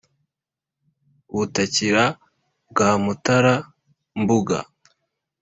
butakiro bwa mutara-mbuga,